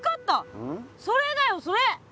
それだよそれ！何よ？